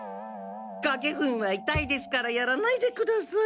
かげふみは痛いですからやらないでください。